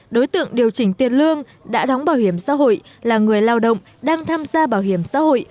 đối tượng điều chỉnh tiền lương đã đóng bảo hiểm xã hội là người lao động đang tham gia bảo hiểm xã hội